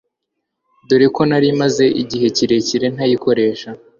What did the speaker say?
dore ko nari maze igihe kirekire ntayikoresha